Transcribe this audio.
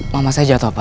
mama saya jatuh pak